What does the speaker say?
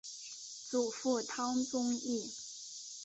祖父汤宗义。